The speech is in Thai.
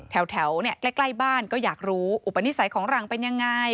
แถวใกล้บ้านก็อยากรู้อุปนิสัยของหลังเป็นยังไง